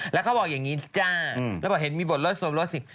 แล้วเขาบอกอย่างนี้จ้าแล้วบอกเห็นมีบทรถสมรสสิ